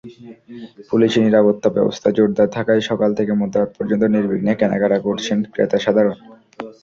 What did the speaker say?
পুলিশি নিরাপত্তাব্যবস্থা জোরদার থাকায় সকাল থেকে মধ্যরাত পর্যন্ত নির্বিঘ্নে কেনাকাটা করছেন ক্রেতাসাধারণ।